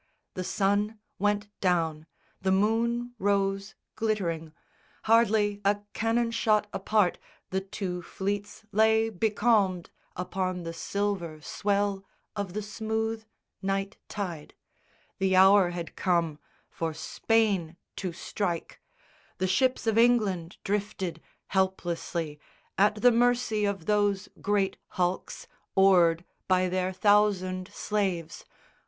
The sun went down: the moon Rose glittering. Hardly a cannon shot apart The two fleets lay becalmed upon the silver Swell of the smooth night tide. The hour had come For Spain to strike. The ships of England drifted Helplessly, at the mercy of those great hulks Oared by their thousand slaves.